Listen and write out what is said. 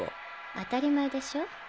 当たり前でしょ？